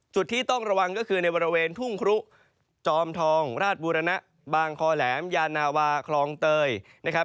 จุดที่ต้องระวังก็คือในบริเวณทุ่งครุจอมทองราชบูรณะบางคอแหลมยานาวาคลองเตยนะครับ